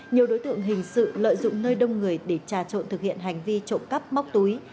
nhiều đối tượng hình sự lợi dụng nơi đông người để trà trộn thực hiện hành vi trộm cắp móc túi